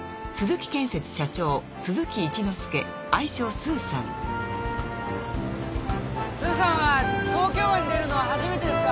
スーさんは東京湾に出るのは初めてですか？